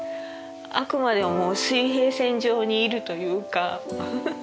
あくまでも水平線上にいるというか。